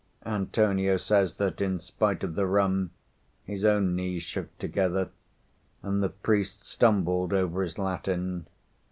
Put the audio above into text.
Antonio says that in spite of the rum his own knees shook together, and the priest stumbled over his Latin.